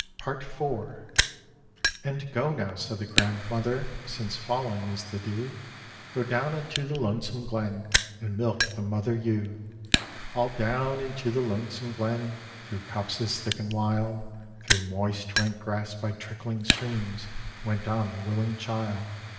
PART IV "And go now," said the grandmother, "Since falling is the dew Go down unto the lonesome glen, And milk the mother ewe." All down into the lonesome glen, Through copses thick and wild, Through moist, rank grass, by trickling streams, Went on the willing child.